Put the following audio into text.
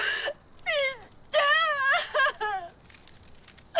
みっちゃん！